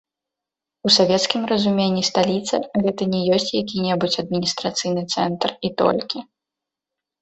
У савецкім разуменні сталіца, гэта не ёсць які-небудзь адміністрацыйны цэнтр, і толькі.